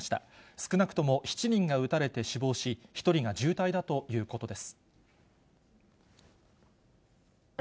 少なくとも７人が撃たれて死亡し、１人が重体だということです。